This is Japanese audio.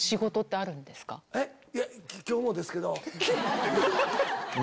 いや今日もですけど。